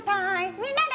みんなで！